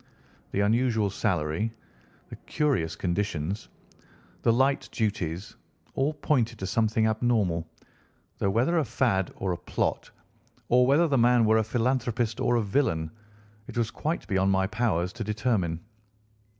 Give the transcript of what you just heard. The unusual salary, the curious conditions, the light duties, all pointed to something abnormal, though whether a fad or a plot, or whether the man were a philanthropist or a villain, it was quite beyond my powers to determine.